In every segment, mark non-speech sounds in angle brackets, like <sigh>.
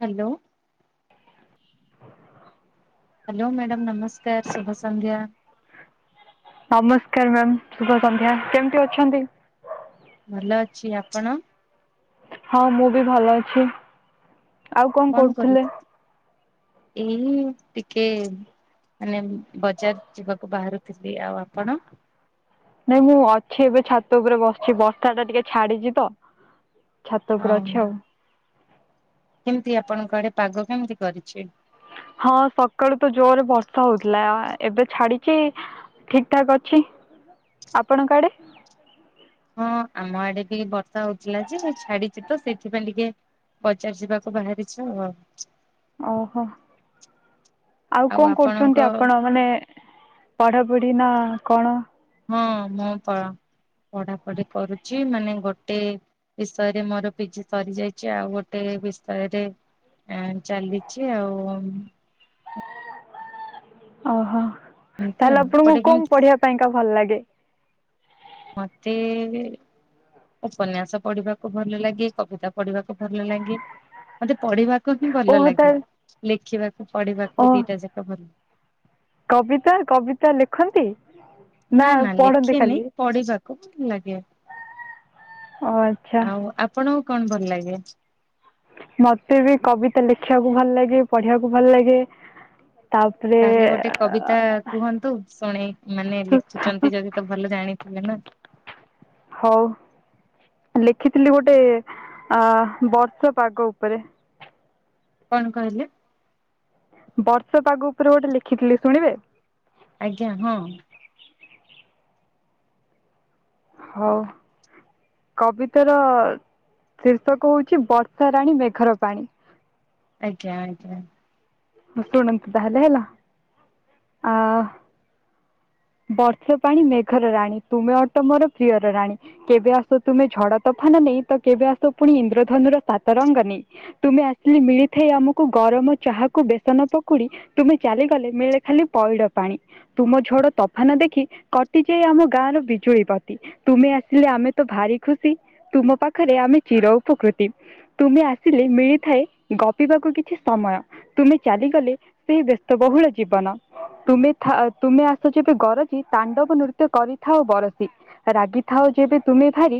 Hello. Hello madam ନମସ୍କାର ଶୁଭ ସନ୍ଧ୍ୟା। ନମସ୍କାର ମ୍ୟାମ୍ ଶୁଭ ସନ୍ଧ୍ୟା କେମିତି ଅଛନ୍ତି? ଭଲ ଅଛି ଆପଣ? ହଁ ମୁଁ ବି ଭଲ ଅଛି। ଆଉ କଣ କରୁଥିଲେ କରିବୁ ଏଇ ଟିକେ ମାନେ ବଜାର ଯିବାକୁ ବାହାରୁଥିଲି ଆଉ ଆପଣ? ନାଇଁ ମୁଁ ଅଛି ଏବେ ଛାତ ଉପରେ ବସିଛି ବର୍ଷାଟା ଟିକେ ଛାଡିଛି ତ। ଛାତ ଉପରେ ହଁ ଅଛ? କେମିତି ଆପଣଙ୍କ ଆଡେ ପାଗ କେମିତି କରିଛି? ହଁ ସକାଳୁ ତ ଜୋରରେ ବର୍ଷା ହଉଥିଲା ଏବେ ଛାଡିଛି ଠିକ୍ ଠାକ୍ ଅଛି ଆପଣଙ୍କ ଆଡେ? ହଁ ଆମ ଆଡେ ବି ବର୍ଷା ହଉଥିଲା ଯେ ଛାଡିଛି ତ ସେଇଥିପାଇଁ ଟିକେ ବଜାର ଯିବାକୁ ବାହାରିଛ ଆଉ ଅହ ଆଉ କଣ କରୁଛନ୍ତି ଆପଣ ମାନେ ପଢାପଢି ନା କଣ? ହଁ ମୁଁ ପଢାପଢି କରୁଛି ମାନେ ଗୋଟେ ବିଷୟରେ ମୋର ପିଜି ସରି ଯାଇଛି ଆଉ ଗୋଟେ ବିଷୟରେ ଏ ଚାଲିଛି ଆଉ ଅହ ଏମିତି ତାହେଲେ ଆଉ ଆପଣଙ୍କୁ ଏପଟେ କଣ କେମିତି ପଢିବା ପାଇଁକା ଭଲ ଲାଗେ? ମତେ ଏବେ ଉପନ୍ୟାସ ପଢିବାକୁ ଭଲ ଲାଗେ କବିତା ପଢିବାକୁ ଭଲ ଲାଗେ। ମତେ ପଢିବାକୁ ହିଁ ଭଲ ଓହୋ ଲାଗେ ତାହେଲେ ଲେଖିବାକୁ ଓ ପଢିବାକୁ ଦିଟା ଯାକ ଭଲ ଲାଗେ। କବିତା କବିତା ଲେଖନ୍ତି? ନା ନା ଲେଖିନି ପଢିବାକୁ ଭଲ ଲାଗେ। ହ। ଆଉ ଆପଣଙ୍କୁ କଣ ଭଲ ଲାଗେ? ମତେ ବି କବିତା ଲେଖିବାକୁ ଭଲ ଲାଗେ ପଢିବାକୁ ଭଲ ଲାଗେ? ତାପରେ ତାହେଲେ ଗୋଟେ କବିତା କୁହନ୍ତୁ ଶୁଣେଇ ମାନେ ଲେଖିଛନ୍ତି ଯଦି ତ ଭଲ ଜାଣିଥିବେ ନା? ହଉ ଲେଖିଥିଲି ଗୋଟେ ଆ ବର୍ଷା ପାଗ ଉପରେ କଣ କହିଲେ? ବର୍ଷ ପାଗ ଉପରେ ଗୋଟେ ଲେଖିଥିଲି ଶୁଣିବେ? ଆଜ୍ଞା ହଁ। ହଉ। କବିତାର ଶୀର୍ଷକ ହଉଛି ବର୍ଷା ରାଣୀ ମେଘର ପାଣି। ଆଜ୍ଞା ଆଜ୍ଞା। ଶୁଣନ୍ତୁ ତାହାଲେ ହେଲା ଆ ବର୍ଷ ପାଣି ମେଘର ରାଣୀ ତୁମେ ଅଟ ମୋର ପ୍ରିୟର ରାଣୀ କେବେ ଆସ ତୁମେ ଝଡ ତୋଫାନ ନେଇ ତ କେବେ ଆସ ପୁଣି ଇନ୍ଦ୍ରଧନୁର ସାତ ରଙ୍ଗ ନେଇ ତୁମେ ଆସିଲି ମିଳିଥାଏ ଆମକୁ ଗରମ ଚାହାକୁ ବେସନ ପକୁଡି। ତୁମେ ଚାଲିଗଲେ ମିଳେ ଖାଲି ପଇଡ ପାଣି ତୁମ ଝଡ ତ ହାନ ଦେଖି କଟିଯାଏ ଆମ ଗାଁର ବିଜୁଳି ବତି ତୁମେ ଆସିଲେ ଆମେ ତ ଭାରି ଖୁସି ତୁମ ପାଖରେ ଆମେ ଚିର ଉପକୃତି। ତୁମେ ଆସିଲେ ମିଳିଥାଏ ଗପିବାକୁ କିଛି ସମୟ ତୁମେ ଚାଲିଗଲେ ସେ ବ୍ୟସ୍ତବହୁଳ ଜୀବନ ତୁମେ ଥା ତୁମେ ଆସ ଯେବେ ଗରଜି ତାଣ୍ଡବ ନୃତ୍ୟ କରିଥାଉ ବରସୀ। ରାଗିଥାଅ ଯେବେ ତୁମେ ଭାରି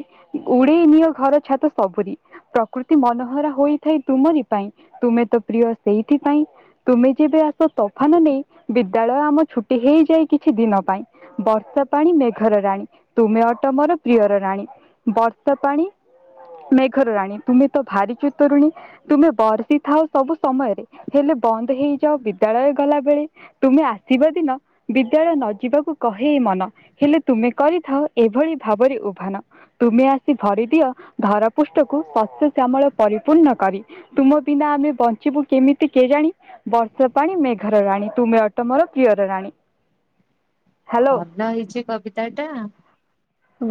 ଉଡେଇ ନିଅ ଘର ଛାତ ସବୁରି ପ୍ରକୃତି ମନୋହରା ହୋଇଥାଏ ତୁମରି ପାଇଁ ତୁମେ ତ ପ୍ରିୟ ସେଇଥିପାଇଁ ତୁମେ ଯେବେ ଆସ ତଫାନ ନେଇ ବିଦ୍ୟାଳୟ ଆମ ଛୁଟି ହେଇଯାଏ କିଛି ଦିନ ପାଇଁ ବର୍ଷା ପାଣି ମେଘର ରାଣୀ ତୁମେ ଅଟ ମୋର ପ୍ରିୟର ରାଣୀ ବାର୍ତ୍ତା ପାଣି ମେଘର ରାଣୀ ତୁମେ ତ ଭାରିଛ ଚୁତୁ ରୁଣୀ। ତୁମେ ବର୍ଷି ଥାଉ ସବୁ ସମୟରେ ହେଲେ ବନ୍ଦ ହେଇଯାଅ ବିଦ୍ୟାଳୟ ଗଲା ବେଳେ। ତୁମେ ଆସିବ ଦିନ। ବିଦ୍ୟାଳୟ ନ ଯିବାକୁ କହେଇ ଏ ମନ ହେଲେ ତୁମେ କରିଥାଅ ଏଭଳି ଭାବରେ ଉଭାନ। ତୁମେ ଆସି ଭରିଦିଅ ଧର ପୃଷ୍ଠକୁ ଶସ୍ୟ ଶ୍ୟାମଳ ପରିପୂର୍ଣ୍ଣ କରି। ତୁମ ବିନା ଆମେ ବଞ୍ଚିବୁ କେମିତି କେଜାଣି? ବର୍ଷ ପାଣିୀ ମେଘର ରାଣୀ ତୁମେ ଅଟ ମୋର ପ୍ରିୟର ରାଣୀ। ହ୍ୟାଲୋ ଭଲ ହେଇଛି କବିତା ଟା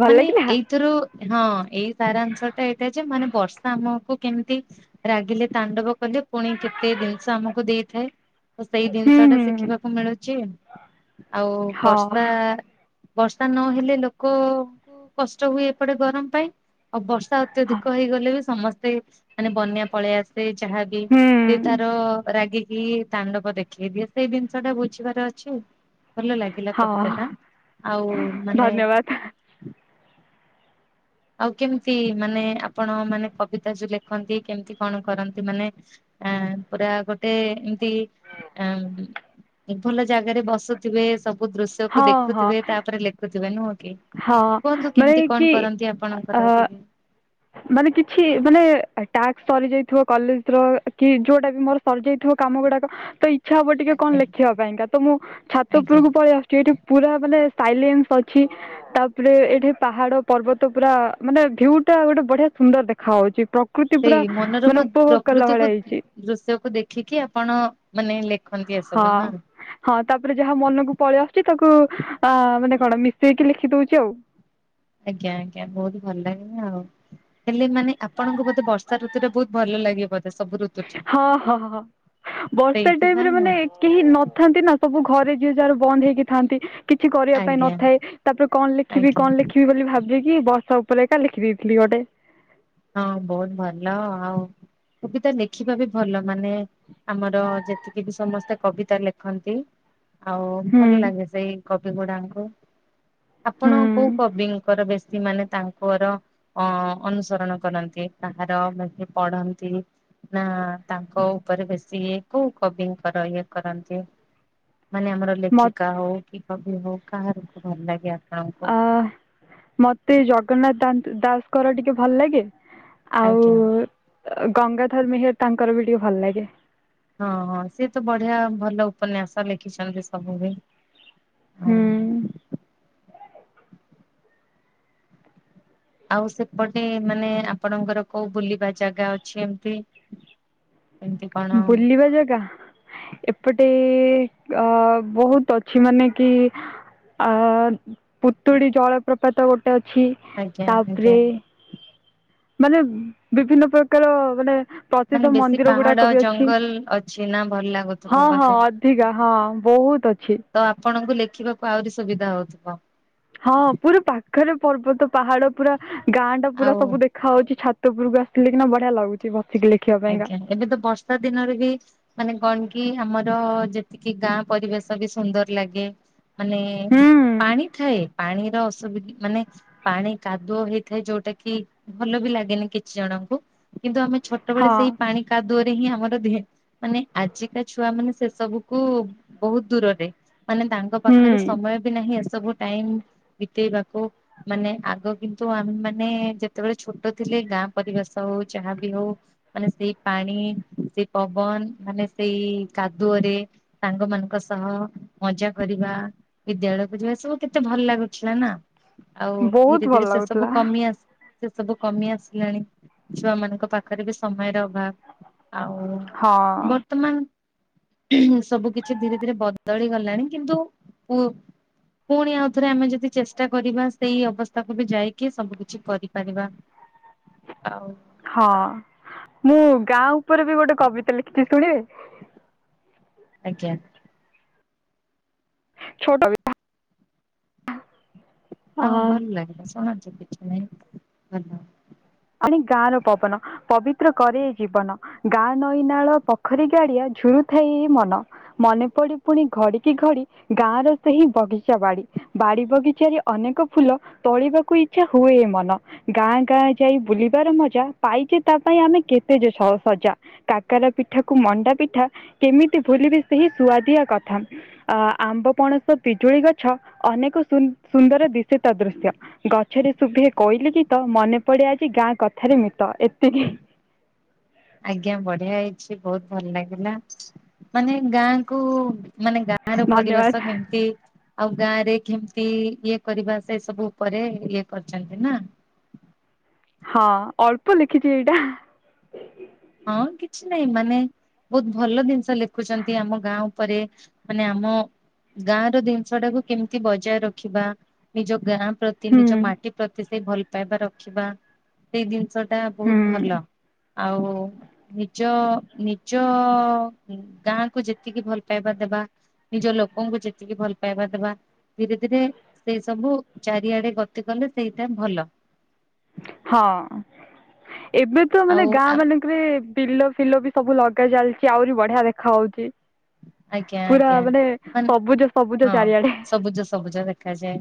ଭଲ ଲାଗିଲା ଏଇ ଏଥିରୁ ହଁ ଏଇ ସାରାଂଶ ଟା ଏଇଟା ଯେ ମାନେ ବର୍ଷା ଆମକୁ କେମିତି ରାଗିଲେ ତାଣ୍ଡବ କଲେ ପୁଣି କେତେ ଜିନିଷ ଆମକୁ ଦେଇଥାଏ। ତ ସେଇ ହୁଁ ଜିନିଷ ଟା ହୁଁ ଶିଖିବାକୁ ମିଳୁଛି ଆଉ ହଁ ବର୍ଷ ବର୍ଷା ନହେଲେ ଲୋକଙ୍କୁ କଷ୍ଟ ହୁଏ ଏପଟେ ଗରମ ପାଇଁ ଆଉ ବର୍ଷା ହଁ ଅତ୍ୟଧିକ ହେଇଗଲେ ବି ସମସ୍ତେ ମାନେ ବନ୍ୟା ପଳେଇ ଆସେ ସେ ଯହାବି ହୁଁ ସେ ତାର ରାଗି କି ତାଣ୍ଡବ ଦେଖେଇ ଦିଏ ସେଇ ଜିନିଷ ଟା ବୁଝିବାର ଅଛି ଭଲ ଲାଗିଲା କବି ଏଟା ହଁ ଆଉ ମାନେ ଧନ୍ୟବାଦ ଆଉ କେମତି ମାନେ ଆପଣ ମାନେ କବିତା ଯୋଉ ଲେଖନ୍ତି କେମିତି କଣ କରନ୍ତି ମାନେ ଆଁ ପୁରା ଗୋଟେ ଏମତି ଆଁ ଭଲ ଜାଗାରେ ବସୁଥିବେ ସବୁ ଦୃଶ୍ୟକୁ ହଁ ହଁ ଦେଖୁଥିବେ ତାପରେ ଲେଖୁଥିବେ ନୁହଁ କି ହଁ କୁହନ୍ତୁ ମାନେ କେମିତି କି କଣ କରନ୍ତି ଅ ଆପଣଙ୍କର ଟିକେ। ମାନେ କିଛି ମାନେ ଟାସ୍କ ସରି ଯାଇଥିବ କଲେଜର କି ଯୋଉଟା ବି ମୋର ସରିଯାଇଥିବ କାମ ଗୁଡାକ ତ ଇଚ୍ଛା ହବ ଟିକେ କଣ ଆଜ୍ଞା ଲେଖିବା ପାଇଁକା ତ ମୁଁ ଆଜ୍ଞା ଛାତପୁରକୁ ପଳେଇ ଆସେ ଯେ ଏଠି ପୁରା ମାନେ ସାଇଲେନ୍ସ ଅଛି। ତାପରେ ଏଇଠି ପାହାଡ ପର୍ବତ ପୁରା ମାନେ ଭିଉ ଟା ବଢିଆ ସୁନ୍ଦର ଦେଖା ହାଉଉଛି ପ୍ରକୃତି ସେଇ ପୁରା ମାନେ ଉପଭୋଗ କଲା ଭଳିଆ ହେଇଛି। ଦୃଶ୍ୟକୁୁ ଦେଖିକି ଆପଣ ମାନେ ଲେଖନ୍ତି ହଁ ଏସବୁ ନା? ହଁ ତାପରେ ଯାହା ମନକୁ ପଳେଇ ଆସୁଛି ତାକୁ ଆ ମାନେ କଣ ମିଶେଇକି ଲେଖି ଦଉଛି ଆଉ। ଆଜ୍ଞା ଆଜ୍ଞା ବହୁତ ଭଲ ଲାଗିଲା ଆଉ ହେଲେ ମାନେ ଆପଣଙ୍କୁ ବୋଧେ ବର୍ଷା ଋତୁ ଟା ବହୁତ ଭଲ ଲାଗିବ ବଧେ ସବୁ ଋ ହ ହ ହ ହ ବର୍ଷା ଟାଇମ ସେଇଥିପାଇଁ ରେ ମାନେ ଆଉ କେହି ନଥାନ୍ତି ନା ସବୁ ଘରେ ଯିଏ ଯାହାର ବନ୍ଦ ହେଇକି ଥାନ୍ତି। କିଛି କରିବା ପାଇଁ ଆଜ୍ଞା। ନଥାଏ ତାପରେ କଣ ଲେଖିବି ଆଜ୍ଞା କଣ ଲେଖି? କିି ବୋଲି ଭାବୁଛି କି ବର୍ଷା ଉପରେଖା ଲେଖିଦେଇଥିଲି ଗୋଟେ। ହଁ ବହୁତ ଭଲ ଆଉ କବତା ଲେଖିବା ବି ଭଲ ମାନେ ଆମର ଯେତିକି ବି ସମସ୍ତେ କବିତା ଲେଖନ୍ତି। ଆଉ ହୁଁ ଭଲ ଲାଗେ ସେଇ କବି ଗୁଡାଙ୍କୁ ଆପଣ ହୁଁ କୋଉ କବିଙ୍କର ବେଶୀ ସେମାନେ ତାଙ୍କର ଅ ଅନୁସରଣ କରନ୍ତି କାହାର ମନେ ପଢନ୍ତି। ନା ତାଙ୍କ ଉପରେ ବେଶୀ ଇଏ କୋଉ କବିଙ୍କର ଇଏ କରନ୍ତି। ମାନେ ଆମର ମ ଲେଖିକା ହଉ କି କବି ହଉ କାହାରକୁ ଭଲ ଲାଗେ ଆପଣଙ୍କୁ? ଆ ମତେ ଜଗନ୍ନାଥ ଦା ଦାସଙ୍କର ଟିକେ ଭଲ ଲାଗେ ଆଉ ଆଜ୍ଞା ଗଙ୍ଗାଧର ମେହେର ତାଙ୍କର ବି ଟିକେ ଭଲ ଲାଗେ। ହଁ ହଁ ସିଏ ତ ବଢିଆ ଭଲ ଉପନ୍ୟାସ ଲେଖିଛନ୍ତି ସବୁ ବି। ଆଉ ହୁଁ। ଆଉ ସେପଟେ ମାନେ ଆପଣଙ୍କର କୋଉ ବୁଲିବା ଜାଗା ଅଛି ଏମତି। ଏମତି କଣ ବୁଲିବା ଜାଗା। ଏପଟେ ଅ ବହୁତ ଅଛି ମାନେ କି ଅ ପୁତୁଡ଼ି ଜଳପ୍ରପାତ ଗୋଟେ ଅଛି ଆଜ୍ଞା ଆଜ୍ଞା। ତାପରେ। ମାନେ ବିଭିନ୍ନ ପ୍ରକାର ମାନେ ମାନେ ପ୍ରସିଦ୍ଧ ବେଶୀ ମନ୍ଦିର ପାହାଡ ଗୁଡାକ ବି ଅଛି ଜଙ୍ଗଲ ଅଛି ନା ଭଲ ଲାଗୁଥିବ ହଁ ହଁ ବୋଧେ? ଅଧିକା ହଁ। ବହୁତ ଅଛି। ତ ଆପଣଙ୍କୁ ଲେଖିବାକୁ ଆଉରି ସୁବିଧା ହଉଥୁବ। ହଁ ପୁରା ପାଖରେ ପର୍ବତ ପାହାଡ ପୁରା ଗାଁ ଟା ପୁରା ଆଉ ସବୁ ଦେ ଖାଉଛି ଛାତ ଉପୁରକୁ ଆସିଲେ କିନା ବଢିଆ ଲାଗୁଛି ବସିଥିଲି। ଆଜ୍ଞା, ଏବେ ତ ବର୍ଷା ଦିନରେ ବି ମାନେ କଣ କି ଆମର ଯେତିକି ଗାଁ ପରିବେଶ ବି ସୁନ୍ଦର ଲାଗେ। ମାନେ ହୁଁ ପାଣି ଥାଏ, ପାଣିର ଅସୁବିଧା ମାନେ ପାଣି କାଦୁଅ ହେଇଥାଏ ଯୋଉଟା କି ଭଲ ବି ଲାଗେନି କିଛି ଜଣଙ୍କୁ। କିନ୍ତୁ ଆମେ ଛୋଟବେଳେ ହଁ ସେଇ ପାଣି କାଦୁଅରେ ହିଁ ଆମର ଦେହେ ମାନେ ଆଜିକା ଛୁଆ ମାନେ ସେ ସବୁ କୁ ବହୁତ ଦୂରରେ। ମାନେ ତାଙ୍କ ପାଖରେ ହୁଁ ସମୟ ବି ନାହିଁ ଏସବୁ ଟାଇମ୍ ବିତେଇବାକୁ। ମାନେ ଆଗ କିନ୍ତୁ ଆମେ ମାନେ ଯେତେବେଳେ ଛୋଟ ଥିଲେ। ଗାଁ ପରିବେଶ ହଉ ଯାହାବି ହଉ ମାନେ ସେଇ ପାଣି ସେଇ ପବନ ମାନେ ସେଇ କାଦୁଅରେ। ସାଙ୍ଗ ମାନଙ୍କ ସହ ମଜା କରିବା। ବିଦ୍ୟାଳୟକୁ ଯିବା ସବୁ କେତେ ଭଲ ଲାଗୁଥିଲା ନା? ଆଉ ବହୁତ ଧୀରେ ଭଲ ଧୀରେ ସେ ସବୁ ଲାଗୁଥିଲା କମି ଆସ ସେ ସବୁ କମି ଆସିଲାଣି। ଛୁଆ ମାନଙ୍କ ପାଖରେ ବି ସମୟର ଅଭାବ। ଆଉ ହଁ ବର୍ତ୍ତମାନ ସବୁ କିଛି ଧୀରେ ଧୀରେ ବଦଳି ଗଲାଣି। କିନ୍ତୁ ପୁ ପୁଣି ଆଉଥରେ ଆମେ ଯଦି ଚେଷ୍ଟା କରିବା। ସେଇ ଅବସ୍ଥାକୁ ବି ଯାଇକି ସବୁ କିଛି କରିପାରିବା। ଆଉ ହଁ ମୁଁ ଗାଁ ଉପରେ ବି ଗୋଟେ କବିତା ଲେଖିଚି ଶୁଣିବେ? ଆଜ୍ଞା। ଛୋଟ <inaudible> ହଁ ଭଲ ଲାଗିଲା, ଶୁଣାନ୍ତୁ କିଛି ନାହିଁ ଭଲ। ଆଡେ ଗାଁ ର ପବନ। ପବିତ୍ର କରେ ଜୀବନ, ଗାଁ ନଈନାଳ ପୋଖରୀ ଗାଡିଆ ଝୁରୁଥାଏ ଏ ମନ। ମନେ ପଡେ ପୁଣି ଘଡିକି ଘଡି ଗାଁ ର ସେହି ବଗିଚା ବାଡି। ବାଡ଼ି ବଗିଚାରେ ଅନେକ ଫୁଲ, ତୋଳିବାକୁ ଇଚ୍ଛା ହୁଏ ଏ ମନ। ଗାଁ ଗାଁ ଯାଇ ବୁଲିବାର ମଜା ପାଇଚେ ତା ପାଇଁ ଆମେ କେତେ ଯେ ସ- ସଜା। କାକାର ପିଠାକୁ ମଣ୍ଡା ପିଠା କେମିତି ଭୁଲିବେ ସେହି ସୁଆଦିଆ କଥା। ଅ, ଆମ୍ବ ପଣସ ପିଜୁଳି ଗଛ ଅନେକ ସୁ ସୁନ୍ଦର ଦିଶେ ତା ଦୃଶ୍ୟ। ଗଛରେ ଶୁଭେ କୋଇଲି ଗୀତ। ମନେ ପଡେ ଆଜି ଗାଁ କଥାରେ ମିିତ। ଏତିକି। ଆଜ୍ଞା ବଢିଆ ହେଇଛି ବହୁତ ଭଲ ଲାଗିଲା। ମାନେ ଗାଁ କୁ ମାନେ ଗାଁ ଗାଁ ର ଧନ୍ୟବାଦ ପରିବେଶ କେମତି ଆଉ ଗାଁ ରେ କିମିତି ଇଏ କରିବା, ସେ ସବୁ ଉପରେ ଇଏ କରିଛନ୍ତି ନା? ହଁ ଅଳ୍ପ ଲେଖିଚି ଏଇଟା। ହଁ କିଛି ନାଇଁ ମାନେ ବହୁତ ଭଲ ଜିନିଷ ଲେଖୁଛନ୍ତି ଆମ ଗାଁ ଉପରେ। ମାନେ ଆମ ଗାଁର ଜିନିଷଟାକୁ କେମିତି ବଜାୟ ରଖିବା। ନିଜ ଗାଁ ପ୍ରତି ହୁଁ ନିଜ ମାଟି ପ୍ରତି ସେଇ ଭଲ ପାଇବା ରଖିବା। ସେଇ ଜିନିଷ ଟା ହୁଁ ବହୁତ ଭଲ। ଆଉ ନିଜ ନିଜ ଗାଁକୁ ଯେତିକି ଭଲ ପାଇବା ଦେବା। ନିଜ ଲୋକଙ୍କୁ ଯେତିକି ଭଲ ପାଇବା ଦବା। ଧୀରେ ଧୀରେ ସେ ସବୁ ଚାରିଆଡେ ଗତି କଲେ ସେଇଟା ଭଲ। ହଁ, ଏବେ ତ ମାନେ ଆଉ ଗାଁ ମାନ ଙ୍କେରେ ବିଲ ଫିଲ ବି ସବୁ ଲଗା ଚାଲଚି। ଆଉରି ବଢିଆ ଦେଖା ହଉଛି। ଆଜ୍ଞା, ପୁରା ଆଜ୍ଞା, ମାନେ ସବୁଜ ସବୁଜ ହଁ ଚାରିଆଡେ ସବୁଜ ସବୁଜ ଦେଖାଯାଏ।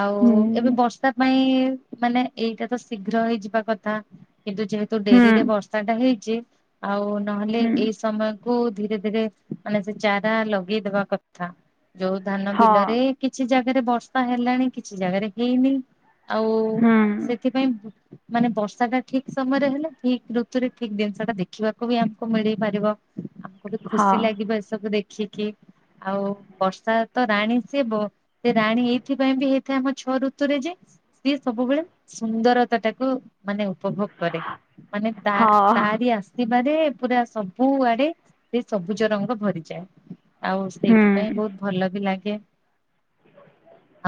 ଆଉ ଏବେ ବର୍ଷା ପାଇଁ ମାନେ ଏଇଟା ତ ଶୀଘ୍ର ହେଇଯିବା କଥା। କିନ୍ତୁ ଯେହେତୁ ଡେରିରେ ବର୍ଷାଟା ହେଇଚି। ଆଉ ନହେଲେ ଏଇ ସମୟ କୁ ଧୀରେ ଧୀରେ ମାନେ ସେ ଚାରା ଲଗେଇଦବା କଥା। ଯୋଉ ଧାନ ବିଲରେ କିଛି ଜାଗାରେ ବର୍ଷା ହେଲାଣି। କିଛି ଜାଗାରେ ହେଇନି। ଆଉ ସେଥିପାଇଁ ମାନେ ବର୍ଷାଟା ଠିକ ସମୟରେ ହେଲେ। ଠିକ ଋତୁରେ ଠିକ ଜିନିଷ ଟା ଦେଖିବାକୁ ବି ଆମକୁ ମିଳି ପାରିବ। ଆମକୁ ଦେଖୁ ଭଲ ଲାଗିବ ଏସବୁ ଦେଖିକି। ଆଉ ବର୍ଷାତ ରାଣୀ ସିଏ ବ ସେ ରାଣୀ ଏଇଥିପାଇଁ ବି ହେପ୍ ଥାଏ ଆମ ଛଅ ଋତୁରେ ଯେ। ସିଏ ସବୁବେଳେ ସୁନ୍ଦରତାଟାକୁ ମାନେ ଉପଭୋଗ୍ କରେ। ମାନେ ତା ତାରି ଆସିବାରେ ପୁରା ସବୁଆଡେ ସେ ସବୁଜ ରଙ୍ଗ ଭରିଯାଏ। ଆଉ ସେଇଥିପାଇଁ ବହୁତ ଭଲ ବି ଲାଗେ।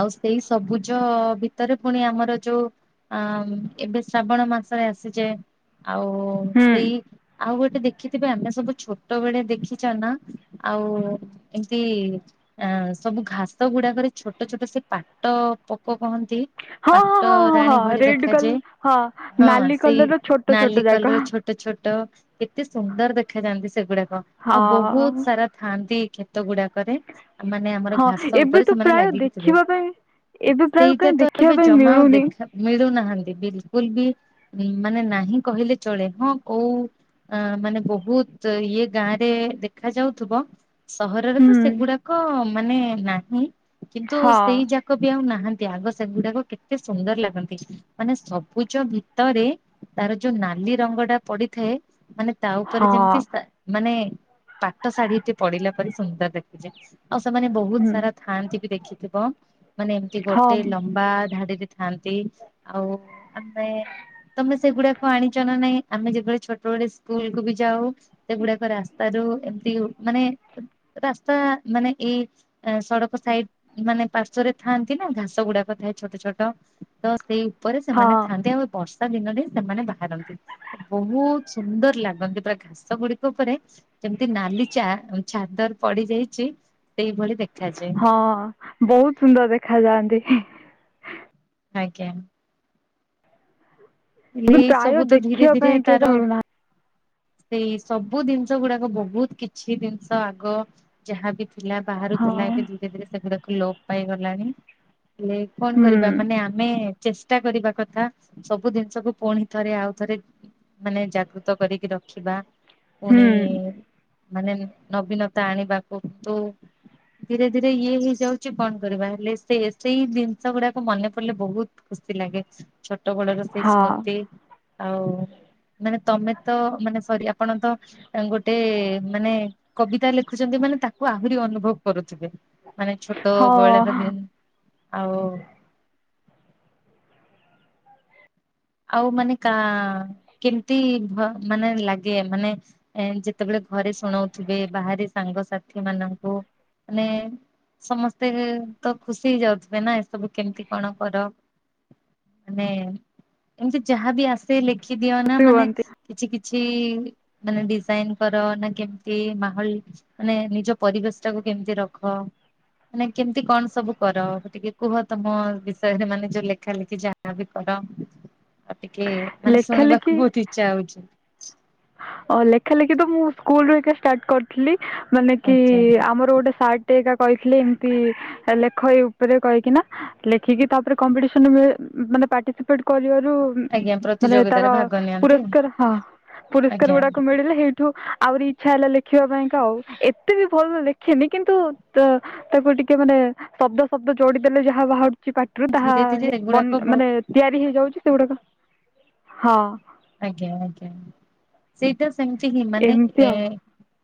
ଆଉ ସେଇ ସବୁଜ ଭିତରେ ପୁଣି ଆମର ଯୋଉ ଆ ମ ଏବେ ଶ୍ରାବଣ ମାସରେ ଆସିଯାଏ। ଆଉ ସେଇ ଆଉ ଗୋଟେ ଦେଖିଥିବେ ଆମେ ସବୁ ଛୋଟ ବେଳେ ଦେଖିଛ ନା? ଆଉ ଇନ୍ତି ଆଁ ସବୁ ଘାସ ଗୁଡାକରେ ଛୋଟ ଛୋଟ ସେ ପାଟପୋକ କହନ୍ତି। ହଁ ହଁ ହଁ ହଁ ପାଟରାଣୀ ହଁ ଭଳି ରେଡ୍ ଦେଖାଯାଏ। କଲର୍ ହଁ ହଁ ନାଲି ସେଇ କଲର୍ ର ଛୋଟ ଛୋଟ ନାଲି ଯାକ କଲର ଛୋ ଛୋଟ ଛୋଟ କେତେ ସୁନ୍ଦର ଦେଖାଯାନ୍ତି। ସେଗୁଡାକ। ଆଉ ବହୁତ ହଁ ସାରା ଥାଆନ୍ତି କ୍ଷେତ ଗୁଡାକରେ। ମାନେ ଆମର ହଁ ଘାସ ଏବେ ଉପରେ ତ ସେମାନେ ପ୍ରାୟ ଲାଗିକି ଥିବେ। ଦେଖିବା ପାଇଁ ଏବେ ପ୍ରାୟ ସେଇଟା କାଇଁ ତ ଦେଖିବା ଏବେ ପାଇଁ ଜମା ଆଉ ମିଳୁନି ଦେଖା ମିଳୁନାହାନ୍ତି ବିଲକୁଲ୍ ବି ମାନେ ନାହିଁ କହିଲେ ଚଳେ। ହଁ କୋଉ ଅ ମାନେ ବହୁତ ଇଏ ଗାଁ ଦେଖା ଯାଉଥିବ। ସହରରେ ହୁଁ ତ ସେଗୁଡାକ ମାନେ ନାହିଁ। କିନ୍ତୁ ହଁ ସେଇ ଯାକ ବି ଆଉ ନାହାନ୍ତି। ଆଗ ସେଗୁଡାକ କେତେ ସୁନ୍ଦର ଲାଗନ୍ତି। ମାନେ ସବୁଜ ଭିତରେ ତାର ଯୋଉ ନାଲି ରଙ୍ଗଟା ପଡିଥାଏ। ମାନେ ତା ଉପରେ ହଁ ଯେମତି ସା ମାନେ ପାଟ ଶାଢୀଟେ ପଡିଲା ପରି ସୁନ୍ଦର ଦେଖାଯାଏ। ଆଉ ସେମାନେ ବହୁତ ହୁଁ ସାରା ଥାଆନ୍ତି ବି ଦେଖିଥିବ। ମାନେ ଏମିତି ହଁ ଗୋଟେ ଲମ୍ବା ଧାଡିରେ ଥାନ୍ତି ଆଉ ଆମେ ତମେ ସେଗୁଡାକ ଆଣିଛ ନା ନାଇଁ? ଆମେ ଯେତେବେଳେ ଛୋଟ ବେଳେ ସ୍କୁଲକୁ ବି ଯାଉ ସେଗୁଡାକରେ ଆସ୍ ସ୍ତାରୁ ଏମିତି ମାନେ ରାସ୍ତା ମାନେ ଏଇ ସଡକ ସାଇଡ ମାନେ ପାର୍ଶ୍ୱରେ ଥାଆନ୍ତି ନା। ଘାସ ଗୁଡାକ ଥାଏ ଛୋଟ ଛୋଟ। ତ ସେଇ ଉପରେ ସେମାନେ ହଁ ଥାଆନ୍ତି। ଆଉ ଏ ବର୍ଷ ଷା ଦିନରେ ସେମାନେ ବାହାରନ୍ତି। ବହୁତ ସୁନ୍ଦର ଲାଗନ୍ତି ପୁରା ଘାସ ଗୁଡିକ ଉପରେ। ଯେମିତି ନାଲି ଚା ଛାଦର ପଡି ଯାଇଛି। ସେଇଭଳି ଦେଖ ହଁ ବହୁତ ସୁନ୍ଦର ଦେଖା ଯାଆନ୍ତି। ଆଜ୍ଞା। ହେଲେ ଏବେ ଏଇ ପ୍ରାୟ ସବୁ ତ ଧୀରେ ଦେଖିବା ଧୀରେ ପାଇଁ କିଏ ତାର ମିଳୁନାହାନ୍ତି ସେଇ ସବୁ ଜିନିଷ ଗୁଡାକ ବହୁତ କିଛି ଜିନିଷ ଆଗ ଯାହାବି ଥିଲା। ହଁ ବାହାରୁଥିଲା ଏବେ ଧୀରେ ଧୀରେ ସେଗୁଡାକୁ ଲୋପ ପାଇଗଲାଣି। ହେଲେ କଣ ହୁଁ କରିବା? ମାନେ ଆମେ ଚେଷ୍ଟା କରିବା କଥା। ସବୁ ସବୁ ଜିନିଷକୁ ପୁଣି ଥରେ ଆଉ ଥରେ ମାନେ ଜାଗୃତ କରିକି ରଖିବା। ହୁଁ ପୁଣି ମାନେ ନବୀନତା ଆଣିବାକୁ। ତୁ ଧୀରେ ଧୀରେ ଇଏ ହେଇଯାଉଛି କଣ କରିବା? ହେଲେ ସେ ସେଇ ଜିନିଷ ଗୁଡାକୁ ମନେ ପଡିଲେ ବହୁତ ଖୁସି ଲାଗେ। ଛୋଟ ବଳର ସେ ହଁ ସ୍ମୃତି ଆଉ ମାନେ ତମେ ତ ମାନେ ସରି ଆପଣ ତ ଗୋଟେ ମାନେ କବିତା ଲେଖୁଛନ୍ତି ମାନେ ତାକୁ ଆଉ ଆହୁରି ଅନୁଭବ କରୁଥିବେ। ମାନେ ଛୋଟ ହଁ ବଳାର ଦିନ ଆଉ ଆଉ ମାନେ କାଁ କେମିତି ମାନେ ଲାଗେ। ମାନେ ଏ ଯେତେବେଳେ ଘରେ ଶୁଣାଉଥିବେ। ବାହାରେ ସାଙ୍ଗସାଥି ମାନଙ୍କୁ। ମାନେ ସମସ୍ତେ ତ ଖୁସି ହେଇଯାଉଥିବେ ନା। ଏସବୁ କେମିତି କଣ କର? ମାନେ ଏମିତି ଯାହାବି ଆସେ ଲେଖିଦିଅ ନା ଖୁସି ମାନେ ହୁଅନ୍ତି କିଛି କିଛି ମାନେ ଡିଜାଇନ କର ନା କେମିତି ମାହଲ ମାନେ ନିଜ ପରିବେଶ ଟାକୁ କେମିତି ରଖ। ମାନେ କେମିତି କଣ ସବୁ କର। ଟିକେ କୁହ ତମ ବିଷୟରେ ମାନେ ଯୋଉ ଲେଖା ଲେଖି ଯା ଯହା ବି କର ଆଉ ଟିକେ ମାନେ ଲେଖା ଲେଖି ଶୁଣିବାକୁ ବହୁତ ଇଚ୍ଛା ହଉଛି। ଅ ଲେଖା ଲେଖି ତ ମୁଁ ସ୍କୁଲ ରୁ ଏକା ଷ୍ଟାର୍ଟ କରିଥିଲି। ମାନେ କି ଆଜ୍ଞା ଆମର ଗୋଟେ ସାର୍ଟ ଗୋଟେ ଏକା କହିଥିଲେି ଏମିତି ଲେଖ ଏଇ ଉପରେ କହିକିନା। ଲେଖିକି ତାପରେ କମ୍ପିଟିସନ ମାନେ ପାର୍ଟିସିପେଟ କରିବାରୁ ଆଜ୍ଞା ମାନେ ତାର ପ୍ରତିଯୋଗିତାରେ ଭାଗ ନିଅନ୍ତି। ପୁରସ୍କାର ହଁ ପୁରସ୍କାର ଆଜ୍ଞା ଗୁଡାକ ମିଳିଲେ ହେଇ ଠୁ ଆହୁରି ଇଚ୍ଛା ହେଲା ଲେଖିବା ପାଇଁକା ଆଉ ଏତେ ବି ଭଲ ଲେଖେନି। କିନ୍ତୁ ତାକୁ ଟିକେ ମାନେ ଶବ୍ଦ ଶବ୍ଦ ଯୋଡିଦେଲେ ଯାହା ବାହାରୁଛି ପାଟିରୁ ତାହା ଧୀରେ ଧୀରେ ବ ଏଗୁଡାକ ବହୁତ ମାନେ ତିଆରି ହେଇଯାଉଛି ସେଗୁଡ଼ାକ ହଁ। ଆଜ୍ଞା ଆଜ୍ଞା ସେଇଟା ସେମିତି ହିଁ ମାନେ ଏମିତି ଏ ଆଉ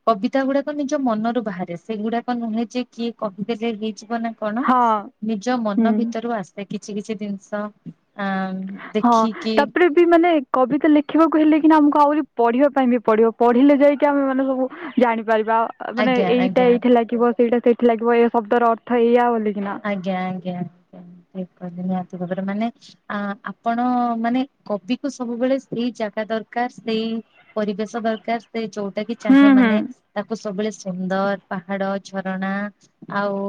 କବିତା ଗୁଡାକ ନିଜ ମନରୁ ବାହାରେ। ସେଗୁଡାକ ନୁହେଁ ଯେ କିଏ କହିଦେଲେ ହେଇଯିବ ନା। କଣ ହଁ ନିଜ ମନ ହୁଁ। ଭିତରୁ ଆସେ କିଛି କିଛି ଜିନିଷ ଆଁ ହଁ ତାପରେ ବି ମାନେ କବିତା ଲେଖିବାକୁ ହେଲେ କିନା ଆମକୁ ଆହୁରି ପଢ଼ିବା ପାଇଁ ବି ପଢିବ। ପଢ଼ିଲେ ଯାଇକି ଆମେ ମାନେ ସବୁ ଜାଣିପାରିବା। ମାନେ ଆଜ୍ଞା ଏଇଟା ଆଜ୍ଞା ଏଇଠି ଲାଗିବ ସେଇଟା ସେଇଠି ଲାଗିବ ଏ ଶବ୍ଦର ଅର୍ଥ ଏଇଆ ବୋଲି କିନା। ଆଜ୍ଞା ଆଜ୍ଞା ଆ ଠ କହିଲ ନିହାତି ଭାବରେ ମାନେ ଆ ଆପଣ ମାନେ କବି କୁ ସବୁବେଳେ ସେଇ ଜାଗା ଦରକାର ସେଇ ପରିବେଶ ଦରକାର ସେ ଯୋଉଟା କି ହୁଁ ଚାହେ ହୁଁ ମାନେ ତାକୁ ସବୁବେଳେ ସୁନ୍ଦର ପାହାଡ ଝରଣା ଆଉ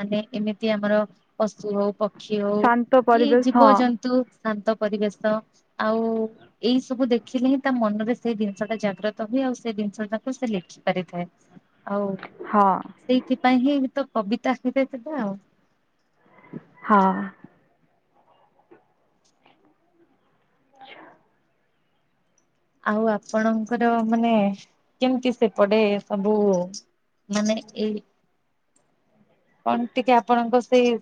ମାନେ ଏମିତି ଆମର ପଶୁ ହଉ ପକ୍ଷୀ ହଉ ଶାନ୍ତ କି ପରିବେଶ ହଁ ଜୀବଜନ୍ତୁ ଶାନ୍ତ ପରିବେଶ ଆଉ ଏଇ ସବୁ ଦେଖିଲେ ହିଁ ତା ମନରେ ସେଇ ଜିନିଷ ଟା ଜାଗ୍ରତ ହୁଏ। ଆଉ ସେଇ ଜିନିଷ ଟାକୁ ସେ ଲେଖି ପାରିଥାଏ। ଆଉ ହଁ ସେଇଥିପାଇଁ ହିଁ ତ କବିତା ହେଥାବେ ଆଉ। ହଁ। ଆଛା। ଆଉ ଆପଣଙ୍କର ମାନେ କେମିତି ସେପଡେ ସବୁ ମାନେ ଏଇ କଣ ଟିକେ ଆପଣଙ୍କ ସେଇ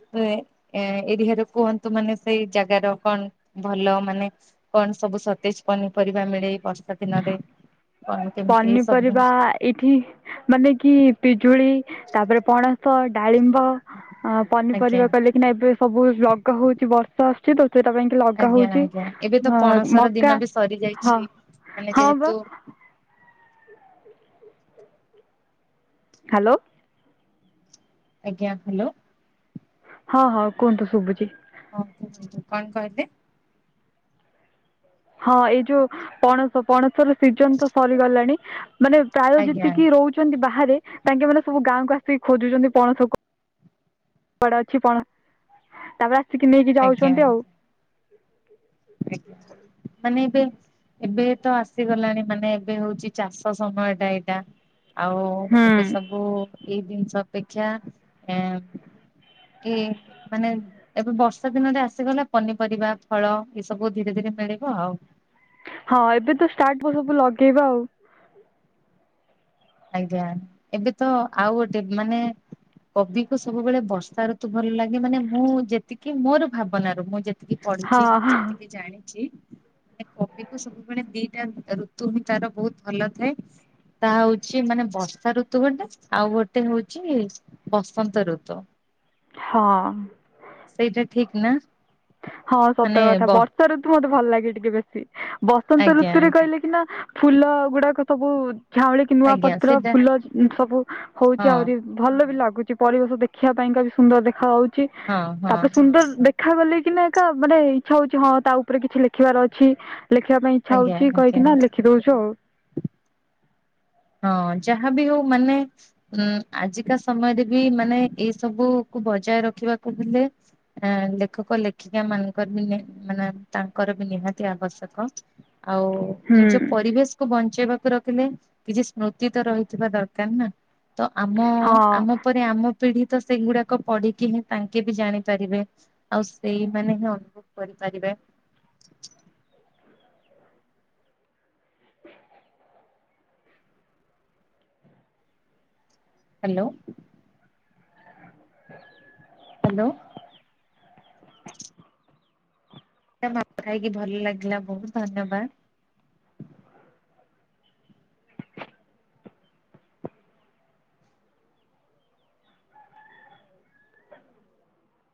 ଏରିଆ ର କୁହନ୍ତୁ ମାନେ ସେଇ ଜାଗାର କଣ ଭଲ ମାନେ କଣ ସବୁ ସତେଜ ପନିପରିବା ମିଳେ ବର୍ଷା ଦିନରେ କଣ କେମିତି ଏ ସବୁ। ପନିପରିବା ଏଇଠି ମାନେ କି ପିଜୁଳି ତାପରେ ପଣସ ଡାଳିମ୍ବ ଅ ଆଜ୍ଞା। ପନିପରିବା କଲେ କି ନା ଏବେ ସବୁ ଲଗା ହଉଛି। ବର୍ଷା ଆସୁଛି ତ ସେଟା ପାଇଁ କି ଲଗା ଆଜ୍ଞା ହଉଛି ଆଜ୍ଞା ଏବେ ତ ଅ ପଣସ ର ମକା ଦିନ ବି ହଁ ସରିଯାଇଛି। ମାନେ ହଁ ଯେହେତୁ ବା ହ୍ୟାଲୋ। ଆଜ୍ଞା ହ୍ୟାଲୋ। ହଁ ହଁ କୁହନ୍ତୁ ସୁବୁଚି। ହଁ କୁହନ୍ତୁ କଣ କହିଲେ? ହଁ ଏଇ ଯୋଉ ପଣସ ପଣସ ର ସିଜନ ତ ସରିଗଲାଣି। ମାନେ ପ୍ରାୟ ଆଜ୍ଞା ଯେତିକି ରହୁଛନ୍ତି ବାହାରେ। ତାଙ୍କେ ମାନେ ସବୁ ଗାଁକୁ ଆସିକି ଖୋଜୁଛନ୍ତି ପଣସକୁ। କୁଆଡେ ଅଛି ପଣ ତାପରେ ଆସିକି ନେଇକି ଆଜ୍ଞା ଯାଉଛନ୍ତି ଆଉ। ମାନେ ଏବେ ଏବେ ତ ଆସିଗଲାଣି ମାନେ ଏବେ ହଉଛି ଚାଷ ସମୟ ଟା ଏଇଟା। ଆଉ ଏବେ ହୁଁ ସବୁ ଏଇ ଜିନିଷ ଅପେକ୍ଷା ଆଁ ଏ ମାନେ ଏବେ ବର୍ଷା ଦିନରେ ଆସିଗଲା ପନିପରିବା ଫଳ। ଏ ସବୁ ଧୀରେ ଧୀରେ ମିଳିବ ଆଉ। ହଁ ଏବେ ତ ଷ୍ଟାର୍ଟ ହବ ବୁ ଲଗେଇବା ଆଉ। ଆଜ୍ଞା ଏବେ ତ ଆଉ ଗୋଟେ ମାନେ କବିକୁ ସବୁବେଳେ ବର୍ଷା ଋତୁ ଭଲ ଲାଗେ। ମାନେ ମୁଁ ଯେତିକି ମୋର ଭାବନା ର ମୁଁ ଯେ ଯେତିକି ପଢିଛି ହଁ ମୁଁ ହଁ। ଯେତିକି ଜାଣିଛି। ମାନେ କବି କୁ ସବୁବେଳେ ଦିଟା ଋ ଋତୁ ହିଁ ତାର ବହୁତ ଭଲ ଥାଏ। ତାହା ହଉଛି ସେ ମାନେ ବର୍ଷା ଋତୁ ଗୋଟେ ଆଉ ଗୋଟେ ହଉଛି ବସନ୍ତ ଋତୁ। ହଁ। ସେଇଟା ଠିକ୍‌ ନା ମାନେ ବ ର୍ଷା ଋତୁ ମତେ ଭଲ ଲାଗେ ଟିକେ ବେଶୀ। ବସନ୍ତ ଆଜ୍ଞା ଋତୁରେ ଆଜ୍ଞା କହିଲେ କି ନା ଫୁଲ ଗୁଡାକ ସବୁ ଝାଉଁଳିକି ନୂଆ ଆଜ୍ଞା ପତ୍ର ସେଇଟା ଫୁଲ ଅ ସବୁ ହଉଛି ହଁ। ଆହୁରି। ଭଲ ବି ଲାଗୁଛି ପରିବେଶ ଦେଖିବା ପାଇଁକା ବି ସୁନ୍ଦର ଦେଖା ଯାଉଛି। ହଁ ହଁ ତାପରେ ସୁନ୍ଦର ଦେଖ ଦେଖା ଗଲେ କିନା ଏକା ମାନେ ଇଚ୍ଛା ହଉଛି। ହଁ ତା ଉପରେ କିଛି ଲେଖିବାର ଅଛି। ଲେଖିବା ପାଇଁ ଇଚ୍ଛା ଆଜ୍ଞା ହଉଛି କହିକି ଆଜ୍ଞା ନା ଲେଖି ଦଉଛୁ ଆଉ। ହଁ ଯାହା ବି ହଉ ମାନେ ଉଁ ଆଜିକା ସମୟରେ ବି ମାନେ ଏଇ ସବୁ କୁ ବଜାୟ ରଖିବାକୁ ହେଲେ। ଆ ଲେଖକ ଲେଖିକା ମାନଙ୍କର ବି ମାନେ ତାଙ୍କର ବି ନିହାତି ଆବଶ୍ୟକ। ଆଉ ହୁଁ ନିଜ ପରିବେଶକୁୁ ବଞ୍ଚେଇବାକୁ ରଖିଲେ କିଛି ସ୍ମୃତି ତ ରହିଥିବା ଦରକାର ନା। ତ ଆମ ହଁ ଆମ ପରେ ଆମ ପିଢି ତ ସେଗୁଡାକ ପଢିକି ହିଁ ତାଙ୍କେ ବି ଜାଣିପାରିବେ। ଆଉ ସେଇମାନେ ହିଁ ଅନୁଭବ କରିପାରିବେ। ହ୍ୟାଲୋ। ହ୍ୟାଲୋ। କଥା ହେଇକି ଭଲ ଲାଗିଲା ବହୁତ ଧନ୍ୟବାଦ।